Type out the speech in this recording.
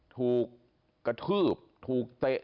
ถูกกระทืบถูกเตะ